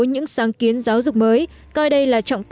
những sáng kiến giáo dục mới coi đây